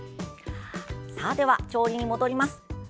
では、調理に戻ります。